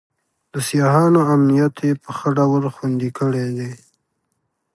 د سیاحانو امنیت یې په ښه ډول خوندي کړی دی.